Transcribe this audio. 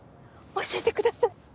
教えてください！